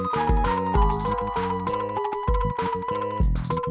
udah suasana kita makan berdua